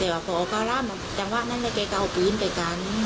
ว่าแอก่ลูก